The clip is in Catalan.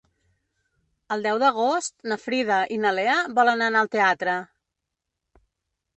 El deu d'agost na Frida i na Lea volen anar al teatre.